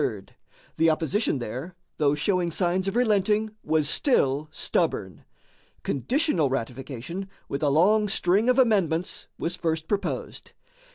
The opposition there, though showing signs of relenting, was still stubborn. Conditional ratification, with a long string of amendments, was first proposed.